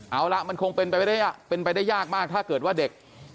เอาละมันคงเป็นไปเป็นไปได้ยากมากถ้าเกิดว่าเด็ก